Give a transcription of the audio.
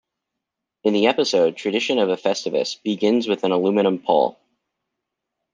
In the episode, the tradition of Festivus begins with an aluminum pole.